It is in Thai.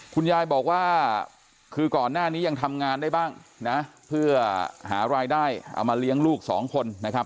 คุณยายบอกว่าคือก่อนหน้านี้ยังทำงานได้บ้างนะเพื่อหารายได้เอามาเลี้ยงลูกสองคนนะครับ